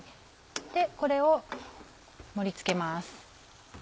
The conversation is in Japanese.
これを盛り付けます。